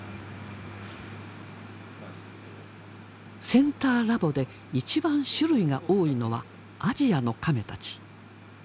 センターラボで一番種類が多いのはアジアのカメたち。